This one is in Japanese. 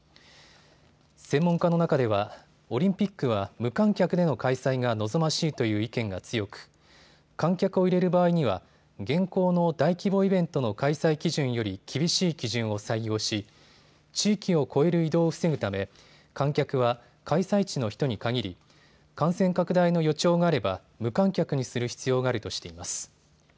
専門家の中ではオリンピックは無観客での開催が望ましいという意見が強く、観客を入れる場合には現行の大規模イベントの開催基準より厳しい基準を採用し、地域を越える移動を防ぐため観客は開催地の人に限り、感染拡大の予兆があれば無観客にする必要があるとしています。